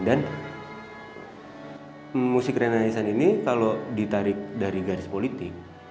dan musik renaissance ini kalau ditarik dari garis politik